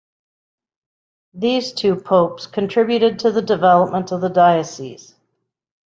These two popes contributed to the development of the diocese.